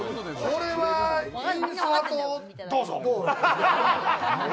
これはインサート、どうぞ。